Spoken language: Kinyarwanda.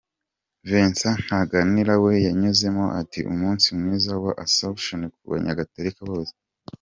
Vincent Ntaganira we yunzemo ati ‘‘Umunsi mwiza wa Asomption ku banyagatolika bose.